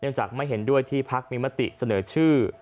เนื่องจากไม่เห็นด้วยที่ภักดิ์มีมติเสนอชื่อ